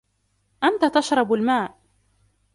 أنت تشرب الماء